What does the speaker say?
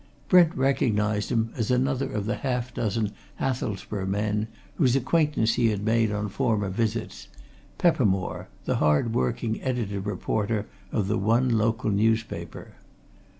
Brent recognized him as another of the half dozen Hathelsborough men whose acquaintance he had made on former visits Peppermore, the hard worked editor reporter of the one local newspaper.